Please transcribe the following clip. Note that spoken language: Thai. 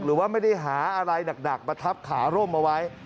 หรือว่าไม่ได้หาอะไรหนักมาทับขาร่มเอาไว้